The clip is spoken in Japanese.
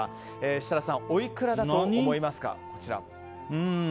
設楽さん、おいくらだと思いますか？